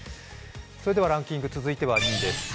ランキング続いては２位です。